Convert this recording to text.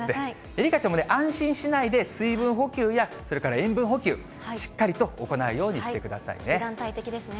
愛花ちゃんも安心しないで、水分補給や、それから塩分補給、しっかりと行うようにしてくださ油断大敵ですね。